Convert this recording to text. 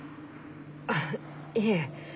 あっいえ。